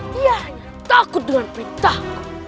dia takut dengan perintahku